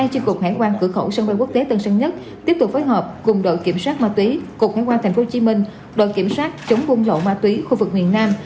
cục hải quan tp hcm đòi kiểm soát chống buôn lậu ma túy khu vực miền nam